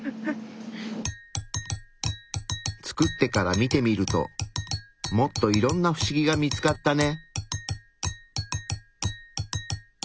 作ってから見てみるともっといろんなフシギが見つかったね。